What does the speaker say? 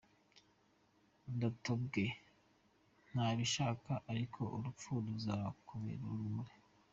Ndatobwe ntabishaka, ariko ururupfu ruzakubere urumuri.